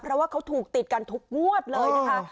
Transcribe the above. เพราะว่าเขาถูกติดกันทุกงวดเลยนะคะ